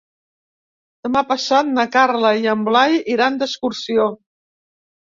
Demà passat na Carla i en Blai iran d'excursió.